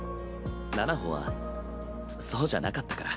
七菜穂はそうじゃなかったから。